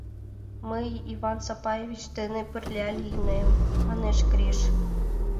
— Мый Иван Сапаевич дене пырля лийнем, — манеш Гриш.